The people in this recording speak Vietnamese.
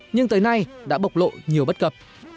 nhưng tới nay đã bộc lộ nhiều bất cập